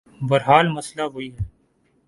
بہرحال مسئلہ وہی ہے۔